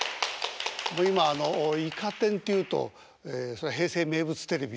今あの「イカ天」っていうと平成名物ＴＶ。